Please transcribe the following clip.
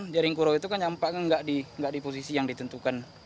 jaring kurau itu nyampaknya tidak di posisi yang ditentukan